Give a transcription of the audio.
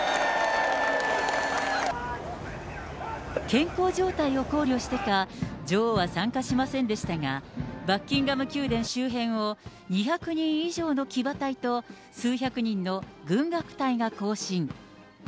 健康状態を考慮してか、女王は参加しませんでしたが、バッキンガム宮殿周辺を２００人以上の騎馬隊と、数百人の軍楽隊が行進。